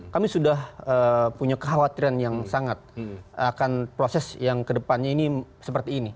kami sudah punya kekhawatiran yang sangat akan proses yang kedepannya ini seperti ini